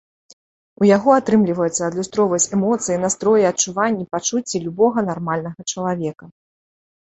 У яго атрымліваецца адлюстроўваць эмоцыі, настроі, адчуванні, пачуцці любога нармальнага чалавека.